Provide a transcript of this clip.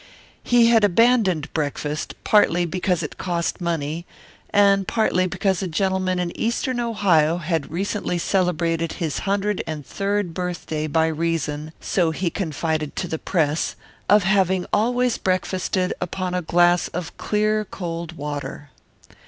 He had abandoned breakfast, partly because it cost money and partly because a gentleman in eastern Ohio had recently celebrated his hundred and third birthday by reason, so he confided to the press, of having always breakfasted upon a glass of clear cold water.